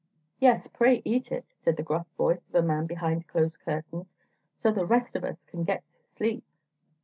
"Yes, pray eat it," said the gruff voice of a man behind closed curtains, "so the rest of us can get to sleep."